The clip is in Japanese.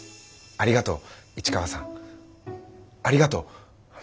ありがとう眼鏡。